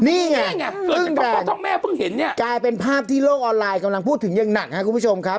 นี่ไงเพิ่งแกล้งกลายเป็นภาพที่โลกออนไลน์กำลังพูดถึงยังหนักครับคุณผู้ชมครับ